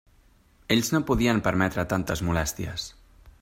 Ells no podien permetre tantes molèsties.